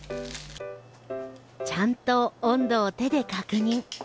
ちゃんと温度を手で確認。